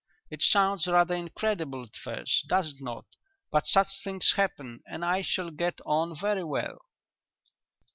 It sounds rather incredible at first, does it not, but such things happen, and I shall get on very well.